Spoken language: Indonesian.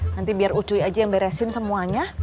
nanti biar ucuy aja yang beresin semuanya